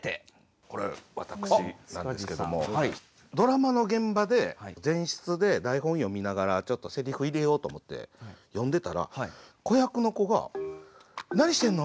ドラマの現場で前室で台本読みながらちょっとせりふ入れようと思って読んでたら子役の子が「何してるの？」